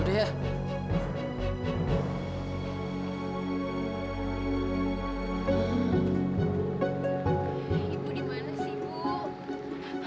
ibu dimana sih bu